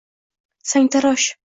sangtarosh.